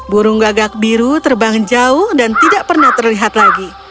burung gagak biru terbang jauh dan tidak pernah terlihat lagi